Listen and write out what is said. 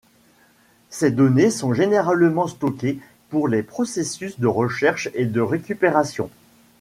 Ces données sont généralement stockées pour les processus de recherche et de récupération.